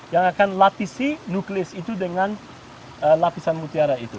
yang akan latisi nuklis itu dengan lapisan mutiara itu